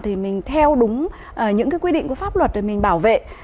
thì mình theo đúng những quy định của pháp luật để mình bảo vệ